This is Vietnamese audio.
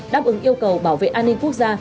đáp ứng yêu cầu bảo vệ an ninh quốc gia